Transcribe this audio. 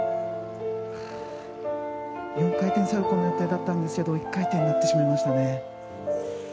４回転サルコウの予定だったんですけど１回転になってしまいましたね。